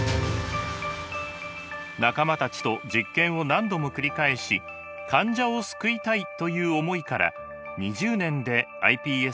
仲間たちと実験を何度も繰り返し患者を救いたいという思いから２０年でｉＰＳ細胞が完成。